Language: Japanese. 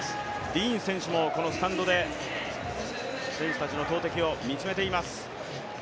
ディーン選手もこのスタンドで選手たちの投てきを見つめています。